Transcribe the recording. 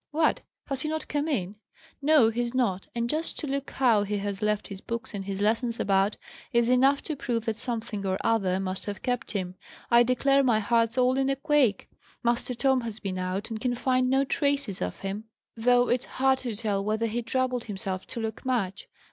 "What! Has he not come in?" "No, he's not. And, just to look how he has left his books and his lessons about, is enough to prove that something or other must have kept him. I declare my heart's all in a quake! Master Tom has been out, and can find no traces of him though it's hard to tell whether he troubled himself to look much.